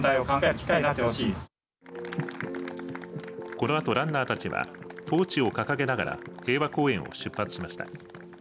このあとランナーたちはトーチを掲げながら平和公園を出発しました。